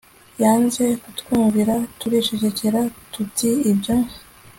Yanze kutwumvira turicecekera tuti Ibyo